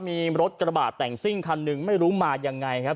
มีรถกระบะแต่งซิ่งคันหนึ่งไม่รู้มายังไงครับ